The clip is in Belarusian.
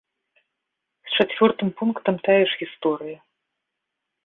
З чацвёртым пунктам тая ж гісторыя.